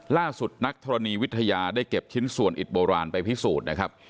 นักธรณีวิทยาได้เก็บชิ้นส่วนอิดโบราณไปพิสูจน์นะครับ